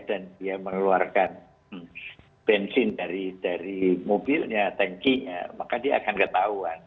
dan dia mengeluarkan bensin dari mobilnya tankinya maka dia akan ketahuan